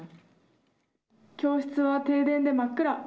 教室は停電で真っ暗。